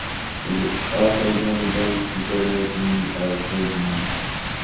It also joined the Danish Confederation of Trade Unions.